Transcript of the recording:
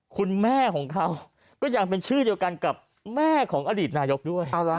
คุณแม่ของเขาก็ยังเป็นชื่อเดียวกันกับแม่ของอดีตนายกด้วย